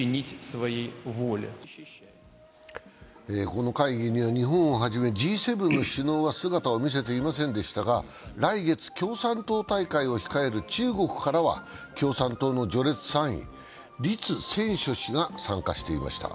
この会議には日本をはじめＧ７首脳は姿を見せていませんが来月、共産党大会を控える中国からは共産党の序列３位、栗戦書氏が参加していました。